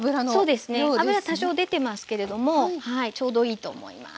そうですね油多少出てますけれどもちょうどいいと思います。